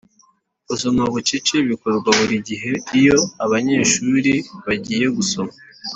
Gusoma bucece bikorwa buri gihe iyo abanyeshuri bagiye gusoma